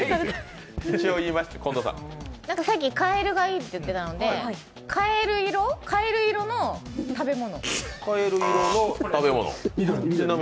カエルがいいって言ってたので、カエル色の食べ物。